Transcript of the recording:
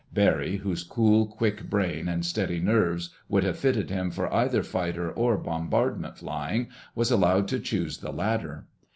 Barry, whose cool, quick brain and steady nerves would have fitted him for either fighter or bombardment flying, was allowed to choose the latter.